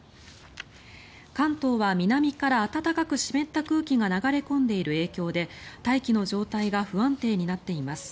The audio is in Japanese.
関東は南から暖かく湿った空気が流れ込んでいる影響で大気の状態が不安定になっています。